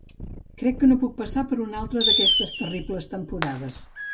Crec que no puc passar per una altra d’aquestes terribles temporades.